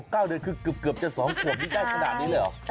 ๑ครับ๙เดือนคือเกือบจะ๒ครับนี่ใกล้ขนาดนี้เลยเหรอ